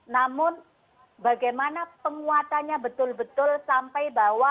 namun bagaimana penguatannya betul betul sampai bahwa